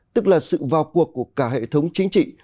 tức là sự vào cuộc của cả hệ thống chính trị